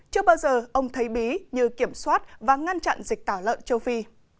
chưa bao giờ ông thấy bí như kiểm soát và ngăn chặn dịch tả lợn châu phi